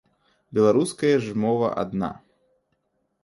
Беларуская ж мова адна.